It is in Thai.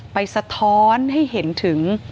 สะท้อนให้เห็นถึง